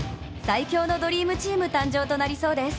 最強のドリームチーム誕生となりそうです。